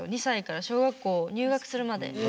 ２歳から小学校入学するまで。